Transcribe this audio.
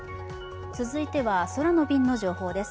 続いては空の便の情報です。